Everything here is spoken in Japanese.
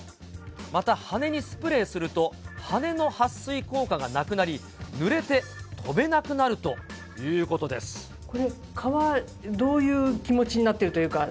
また羽にスプレーすると、羽のはっ水効果がなくなり、ぬれて飛べなくなるということでこれ、蚊はどういう気持ちになってるというか？